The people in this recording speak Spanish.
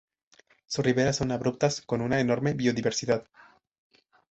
Sus riberas son abruptas, con una enorme biodiversidad.